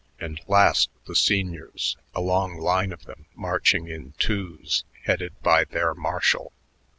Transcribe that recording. And last the seniors, a long line of them marching in twos headed by their marshal.